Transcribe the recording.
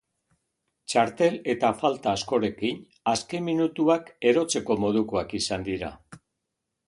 Txartel eta falta askorekin, azken minutuak erotzeko modukoak izan dira.